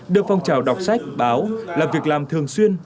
được phong trào đọc sách báo là việc làm thường xuyên